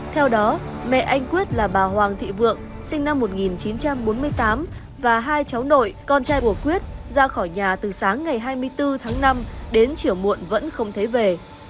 theo đó mẹ anh quyết là bà hoàng thị vượng sinh năm một nghìn chín trăm bốn mươi tám và hai cháu nội con trai của quyết ra khỏi nhà từ sáng ngày hai mươi bốn tháng năm đến chiều muộn vẫn không thấy về